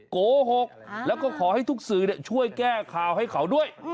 โกหกแล้วก็ขอให้ทุกสื่อช่วยแก้ข่าวให้เขาด้วย